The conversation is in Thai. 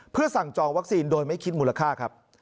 เพื่อสั่งจองวัคซีนโดยไม่คิดมูลค่าครับ